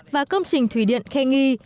và công trình thủy điện khe nghi